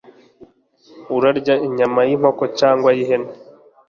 Urarya inyama y’inkoko cyangwa iy’ihene